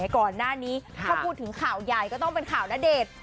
ก่อนหน้านี้ถ้าพูดถึงข่าวใหญ่ก็ต้องเป็นข่าวณเดชน์